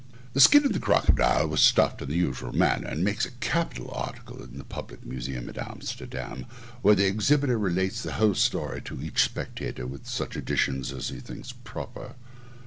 The skin of the crocodile was stuffed in the usual manner, and makes a capital article in their public museum at Amsterdam, where the exhibitor relates the whole story to each spectator, with such additions as he thinks proper.